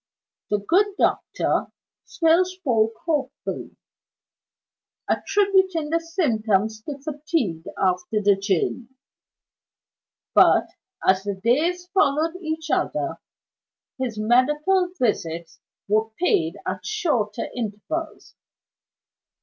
The good doctor still spoke hopefully; attributing the symptoms to fatigue after the journey. But, as the days followed each other, his medical visits were paid at shorter intervals.